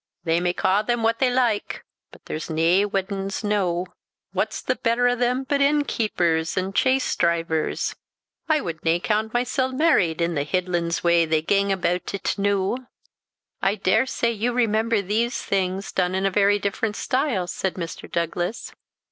"They may caw them what they like, but there's nae waddins noo. Wha's the better o' them but innkeepers and chise drivers? I wud nae count mysel' married i' the hiddlins way they gang aboot it noo." "I daresay you remember these, things done in a very different style?" said Mr. Douglas.